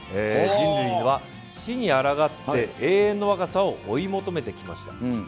人類は「死」にあらがって永遠の若さを追い求めてきました。